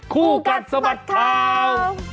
คู่กัดสะบัดข่าว